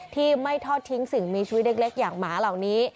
ที่ไม่ทอดทิ้งสิ่งมีชีวิตเล็กอย่างหมาเหล่านี้